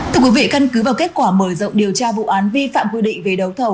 thưa quý vị căn cứ vào kết quả mở rộng điều tra vụ án vi phạm quy định về đấu thầu